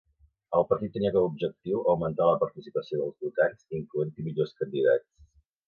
El partit tenia com a objectiu augmentar la participació dels votants incloent-hi millors candidats.